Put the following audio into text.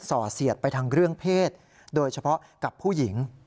่อเสียดไปทางเรื่องเพศโดยเฉพาะกับผู้หญิง